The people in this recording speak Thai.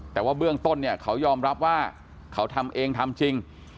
แต่ว่าเบื้องต้นเนี่ยเขายอมรับว่าเขาทำเองทำจริง